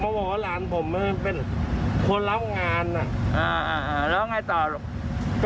มาว่าหลานผมเป็นคนเล่างานแล้วไงต่อล่ะ